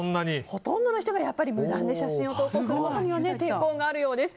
ほとんどの人が無断で写真を投稿することには抵抗があるようです。